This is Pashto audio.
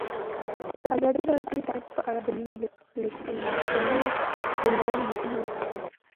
ازادي راډیو د امنیت په اړه د مینه والو لیکونه لوستي.